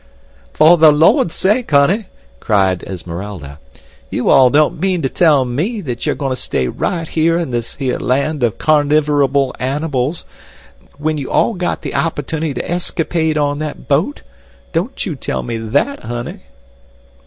"For the Lord's sake honey," cried Esmeralda. "You all don't mean to tell ME that you're going to stay right here in this here land of carnivable animals when you all got the opportunity to escapade on that boat? Don't you tell me THAT, honey."